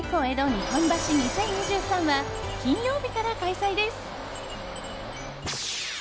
日本橋２０２３は金曜日から開催です。